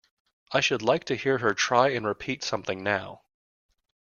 ‘I should like to hear her try and repeat something now.